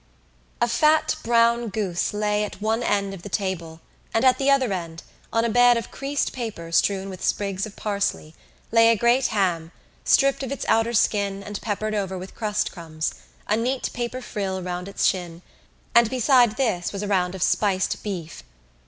A fat brown goose lay at one end of the table and at the other end, on a bed of creased paper strewn with sprigs of parsley, lay a great ham, stripped of its outer skin and peppered over with crust crumbs, a neat paper frill round its shin and beside this was a round of spiced beef.